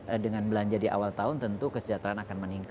nah dengan belanja di awal tahun tentu kesejahteraan akan meningkat